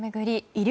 医療